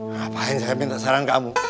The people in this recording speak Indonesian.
ngapain saya minta saran kamu